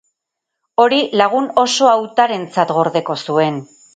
Hori lagun oso hautarentzat gordeko zuen.